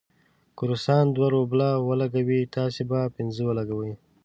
که روسان دوه روبله ولګوي، تاسې به پنځه ولګوئ.